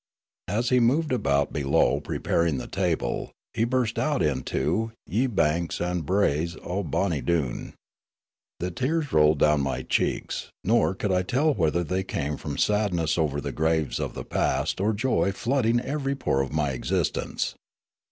As he moved about below pre paring the table, he burst out into " Ye Banks and Braes o' Bonny Doon." The tears rolled down my cheeks, nor could I tell whether they came from sad The Voyage to Broolyi 309 ness over the graves of the past or joy flooding every pore of my existence.